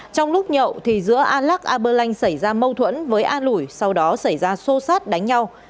trong lúc nhậu thì giữa a lắc a bơ lanh xảy ra mâu thuẫn với a lũi sau đó xảy ra xô sát đánh nhau